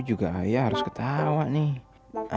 juga ayah harus ketawa nih